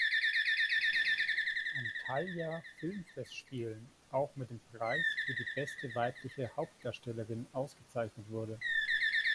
Antalya Filmfestspielen auch mit dem Preis für die beste weibliche Hauptdarstellerin ausgezeichnet wurde.